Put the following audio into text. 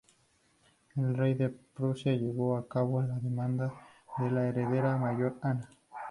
El rey del Prusia llevó a cabo la demanda de la heredera mayor, Ana.